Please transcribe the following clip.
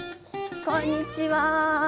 こんにちは。